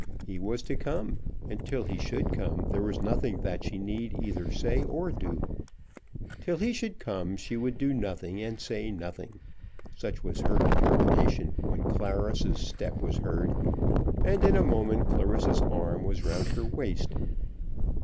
He was to come, and till he should come there was nothing that she need either say or do. Till he should come she would do nothing and say nothing. Such was her determination when Clarissa's step was heard, and in a moment Clarissa's arm was round her waist.